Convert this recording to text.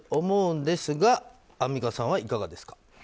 思うんですがアンミカさんはいかがですか？